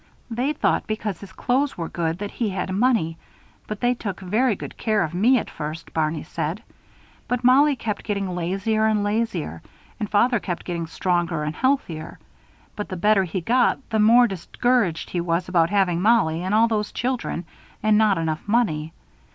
They thought, because his clothes were good, that he had money. But they took very good care of me at first, Barney said. But Mollie kept getting lazier and lazier, and father kept getting stronger and healthier. But the better he got, the more discouraged he was about having Mollie and all those children and not enough money.